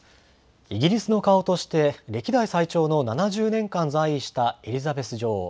イギリスの顔として歴代最長の７０年間、在位したエリザベス女王。